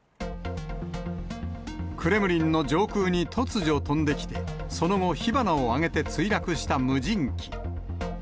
クレムリンの上空に突如飛んできて、その後、火花を上げて墜落した無人機。